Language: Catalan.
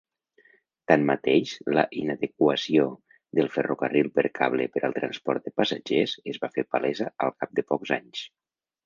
Tanmateix, la inadequació del ferrocarril per cable per al transport de passatgers es va fer palesa al cap de pocs anys.